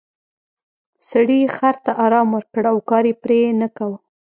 سړي خر ته ارام ورکړ او کار یې پرې نه کاوه.